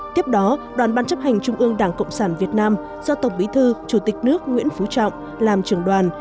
tiếp đó đoàn ban chấp hành trung ương đảng cộng sản việt nam do tổng bí thư chủ tịch nước nguyễn phú trọng làm trưởng đoàn